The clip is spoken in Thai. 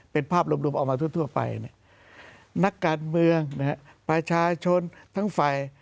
เป็นภาพรวมรวมออกมาทั่วทั่วไปเนี้ยนักการเมืองนะฮะประชาชนทั้งฝ่าย